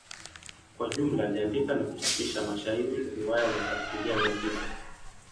Kwa jumla aliandika na kuchapisha mashairi, riwaya na tamthilia mia tisa.